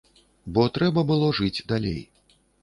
Бо трэба было жыць далей.